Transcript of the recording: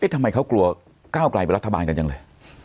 ทำไมเค้ากลัวก้าวไกลไปรัฐบาลกันอย่างไร